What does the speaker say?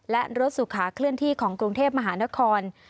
และรถสุขาเคลื่อนที่ของกรุงเทพมหานคร